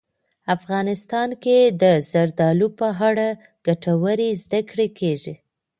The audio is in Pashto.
افغانستان کې د زردالو په اړه ګټورې زده کړې کېږي.